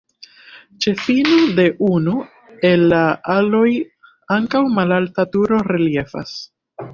Ĉe fino de unu el la aloj ankaŭ malalta turo reliefas.